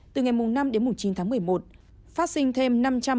từ ngày năm đến chín tháng một mươi một phát sinh thêm năm trăm bốn mươi ba